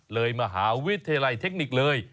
เลยมหาวิทยาลัยเทคนิคเลย